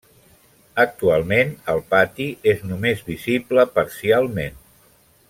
Actualment el pati és només visible parcialment.